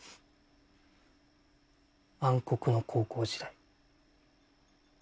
暗黒の高校時代。